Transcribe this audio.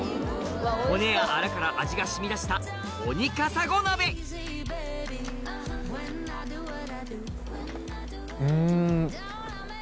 骨やアラから味が染み出したオニカサゴ鍋うん。